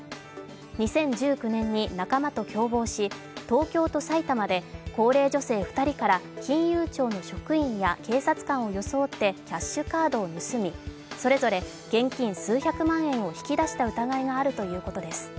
２０１９年に仲間と共謀し東京と埼玉で高齢女性２人から金融庁の職員や警察官を装ってキャッシュカードを盗みそれぞれ現金数百万円を引き出した疑いがあるということです。